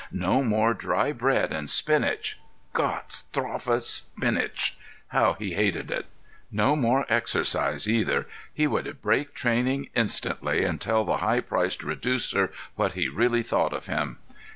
No more dry bread and spinach—Gott strafe spinach! How he hated it! No more exercise, either; he would break training instantly and tell that high priced reducer what he really thought of him.